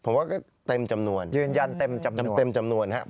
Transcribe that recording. ผมว่าก็เต็มจำนวนยืนยันเต็มจำนวนครับ